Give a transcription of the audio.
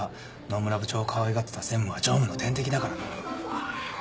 野村部長をかわいがってた専務は常務の天敵だからな。